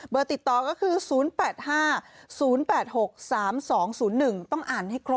ติดต่อก็คือ๐๘๕๐๘๖๓๒๐๑ต้องอ่านให้ครบ